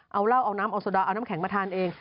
เอาเหล้าเอาน้ำเอาโซดาเอาน้ำแข็งมาทานเอง